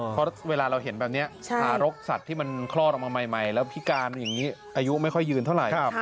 เพราะเวลาเราเห็นแบบนี้ทารกสัตว์ที่มันคลอดออกมาใหม่แล้วพิการอย่างนี้อายุไม่ค่อยยืนเท่าไหร่